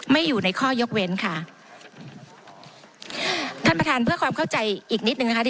อยู่ในข้อยกเว้นค่ะท่านประธานเพื่อความเข้าใจอีกนิดหนึ่งนะคะที่